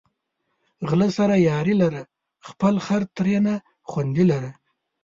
غله سره یاري لره، خپل خر ترېنه خوندي لره